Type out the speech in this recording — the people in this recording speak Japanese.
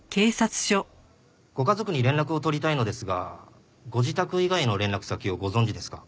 ご家族に連絡を取りたいのですがご自宅以外の連絡先をご存じですか？